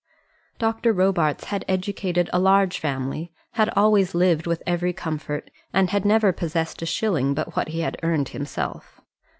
Dr. Robarts had educated a large family, had always lived with every comfort, and had never possessed a shilling but what he had earned himself.